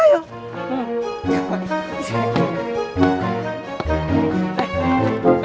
eh dona rifah